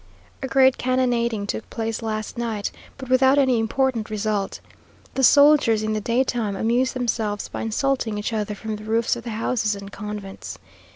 A great cannonading took place last night, but without any important result. The soldiers, in the day time amuse themselves by insulting each other from the roofs of the houses and convents.